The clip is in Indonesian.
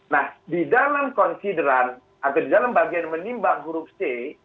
nah di dalam konsideran atau di dalam bagian menimbang huruf c